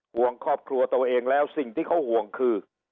ห่วงครอบครัวตัวเองแล้วสิ่งที่เขาห่วงคือ